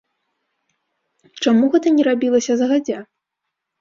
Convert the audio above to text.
Чаму гэта не рабілася загадзя?